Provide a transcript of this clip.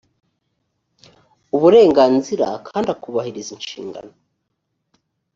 uburenganzira kandi akubahiriza inshingano